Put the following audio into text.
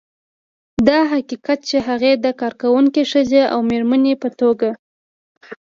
دا حقیقت چې هغې د کارکونکې ښځې او مېرمنې په توګه